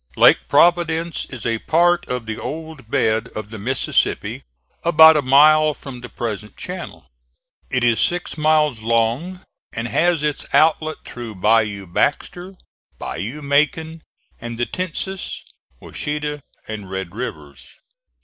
Lake Providence is a part of the old bed of the Mississippi, about a mile from the present channel. It is six miles long and has its outlet through Bayou Baxter, Bayou Macon, and the Tensas, Washita and Red Rivers.